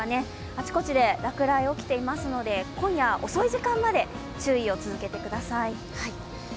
あちこちで落雷、起きていますので今夜遅い時間まで注意を続けてください。